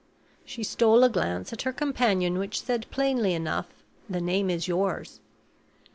She stole a glance at her companion which said plainly enough, "The name is yours."